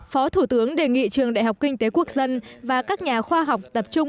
phó thủ tướng đề nghị trường đại học kinh tế quốc dân và các nhà khoa học tập trung